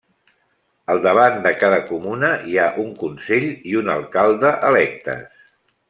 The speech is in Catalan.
Al davant de cada comuna hi ha un Consell i un Alcalde electes.